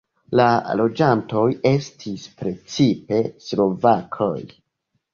La loĝantoj estis precipe slovakoj.